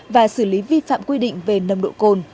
và xử lý vi phạm quy định về nồng độ cồn